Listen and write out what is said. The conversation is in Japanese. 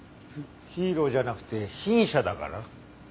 ヒーローじゃなくて被疑者だからな。